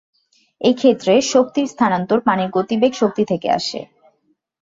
এই ক্ষেত্রে শক্তির স্থানান্তর পানির গতিবেগ শক্তি থেকে আসে।